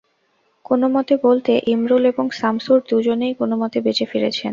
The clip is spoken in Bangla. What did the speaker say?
কোনো মতে বলতে, ইমরুল এবং শামসুর দুজনেই কোনো মতে বেঁচে ফিরেছেন।